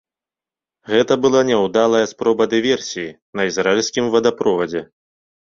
Гэта была няўдалая спроба дыверсіі на ізраільскім водаправодзе.